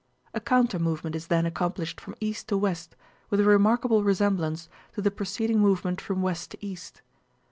A countermovement is then accomplished from east to west with a remarkable resemblance to the preceding movement from west to east.